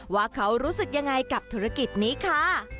ว่าเขารู้สึกยังไงกับธุรกิจนี้ค่ะ